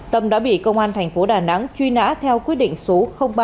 tâm đã bị công an thành phố đà nẵng truy nã theo quyết định số ba